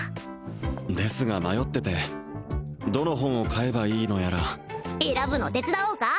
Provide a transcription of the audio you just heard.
ですが迷っててどの本を買えばいいのやら選ぶの手伝おうか？